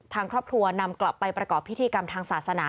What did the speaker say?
ทางครอบครัวนำกลับไปประกอบพิธีกรรมทางศาสนา